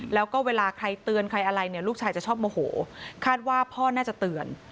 แล้วก็เวลาใครเตือนใครอะไรเนี่ยลูกชายจะชอบโมโหคาดว่าพ่อน่าจะเตือน